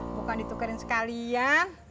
bukan ditukerin sekalian